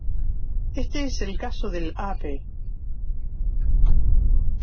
Éste es el caso del Ape.